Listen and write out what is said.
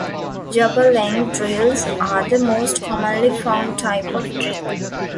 Jobber-length drills are the most commonly found type of drill.